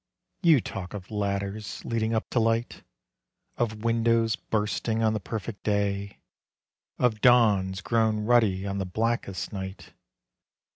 You talk of ladders leading up to light, Of windows bursting on the perfect day, Of dawns grown ruddy on the blackest night.